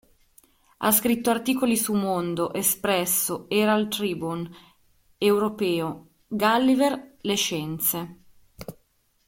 Ha scritto articoli su Mondo, Espresso, Herald Tribune, Europeo, Gulliver, Le Scienze.